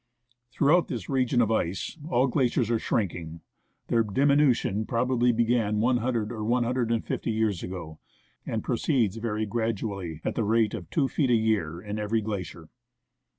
Throughout this region of ice all glaciers are shrinking ; their diminution probably began one hundred or a hundred and fifty years ago, and proceeds very gradually, at the rate of two feet a year in every glacier.